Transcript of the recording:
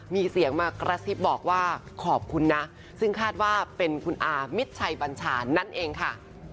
มีเสียงมากระซิบบอกว่าขอบคุณนะซึ่งคาดว่าเป็นคุณอามิดชัยบัญชานั่นเองค่ะ